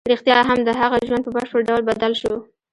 رښتیا هم د هغه ژوند په بشپړ ډول بدل شو